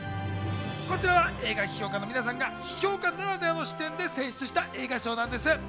こちらは映画批評家の皆さんが批評家ならではの視点で選出した映画賞です。